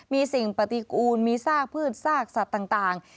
มีสิ่งปฏิกูลมีซากพืชซากสัตว์ต่าง